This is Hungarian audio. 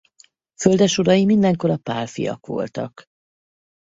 Földesurai mindenkor a Pálffyak voltak.